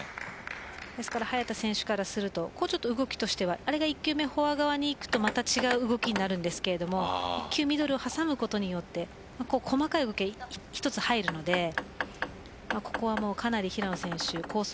ですから早田選手からすると動きとしてはあれが１球目フォア側にいくとまた違う動きになるんですけど１球ミドルを挟むことによって細かい動き１つ入るのでここは、かなり平野選手コース